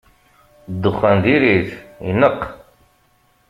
Ddexxan diri-t, ineqq.